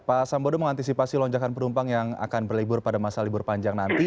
pak sambodo mengantisipasi lonjakan penumpang yang akan berlibur pada masa libur panjang nanti